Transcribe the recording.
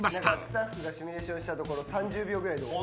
スタッフがシミュレーションしたところ３０秒ぐらいで終わる。